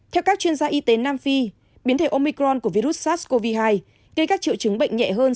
theo các chuyên gia y tế nam phi biến thể omicron của virus sars cov hai gây các triệu chứng bệnh nhẹ hơn